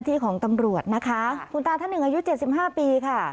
ที่ของตำรวจนะคะคุณตาท่านหนึ่งอายุเจ็ดสิบห้าปีค่ะ